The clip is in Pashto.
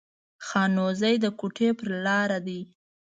خانوزۍ د کوټي پر لار ده